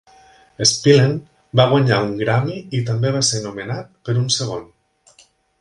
Spillane va guanyar un Grammy i també va ser nomenat per un segon.